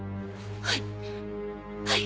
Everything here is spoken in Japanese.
はい！